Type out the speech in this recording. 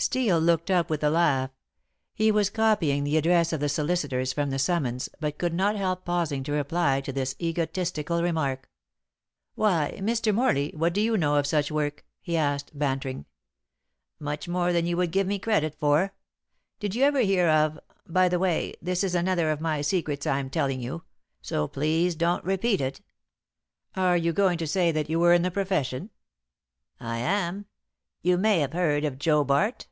Steel looked up with a laugh. He was copying the address of the solicitors from the summons, but could not help pausing to reply to this egotistical remark. "Why, Mr. Morley, what do you know of such work?" he asked, bantering. "Much more than you would give me credit for. Did you ever hear of by the way, this is another of my secrets I am telling you, so please don't repeat it." "Are you going to say that you were in the profession?" "I am. You may have heard of Joe Bart."